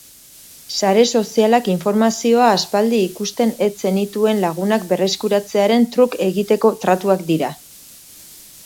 Sare sozialak informazioa aspaldi ikusten ez zenituen lagunak berreskuratzearen truk egiteko tratuak dira.